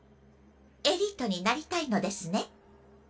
エリートになりたいのですね？